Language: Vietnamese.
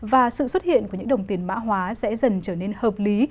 và sự xuất hiện của những đồng tiền mã hóa sẽ dần trở nên hợp lý